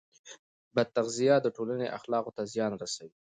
بد تغذیه د ټولنې اخلاقو ته زیان رسوي.